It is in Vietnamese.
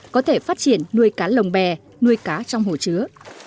có thể phát triển nuôi cá lồng bè nuôi cá trong hồ chứa